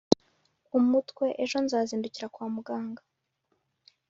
umutwe ejo ndazindukira kwa muganga”